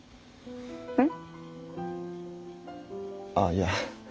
ああいや